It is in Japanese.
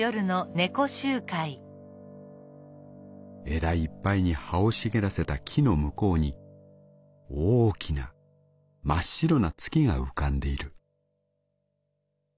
「枝いっぱいに葉を茂らせた木の向こうに大きな真っ白な月が浮かんでいる」。